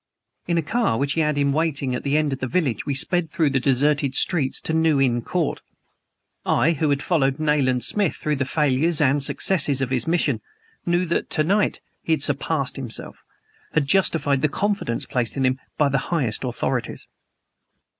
In a car which he had in waiting at the end of the village we sped through the deserted streets to New Inn Court. I, who had followed Nayland Smith through the failures and successes of his mission, knew that to night he had surpassed himself; had justified the confidence placed in him by the highest authorities.